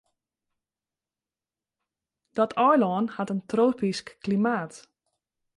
Dat eilân hat in tropysk klimaat.